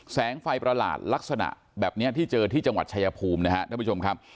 แสงไฟประหลาดลักษณะแบบนี้ที่เจอที่จังหวัดชายภูมินะครับท่านผู้ชมครับ